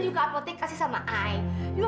lu ga apotek kasih sama ayah